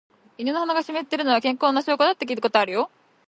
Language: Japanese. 犬の鼻が湿っているのは、健康な証拠だって聞いたことあるよ。